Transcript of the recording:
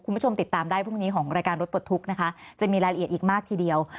คุณผู้ชมติดตามได้พรุ่งนี้ของรายการรถปลดทุกข์นะคะจะมีรายละเอียดอีกมากทีเดียว